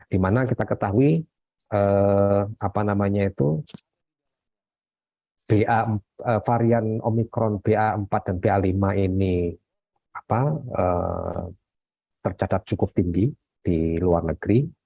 dimana kita ketahui ba varian omikron ba empat dan ba lima ini tercatat cukup tinggi di luar negeri